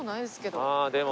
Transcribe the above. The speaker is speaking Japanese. ああでも。